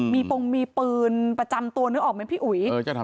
มีปงมีปืนประจำตัวนึกออกไหมพี่อุ๋ย